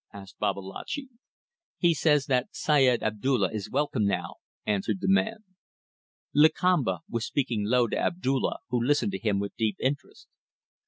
asked Babalatchi. "He says that Syed Abdulla is welcome now," answered the man. Lakamba was speaking low to Abdulla, who listened to him with deep interest.